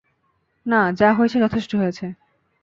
না, যা হয়েছে যথেষ্ট হয়েছে।